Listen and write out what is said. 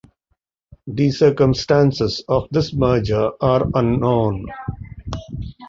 The circumstances of this merger are unknown.